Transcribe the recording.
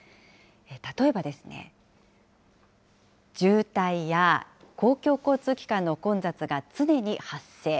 例えばですね、渋滞や公共交通機関の混雑が常に発生。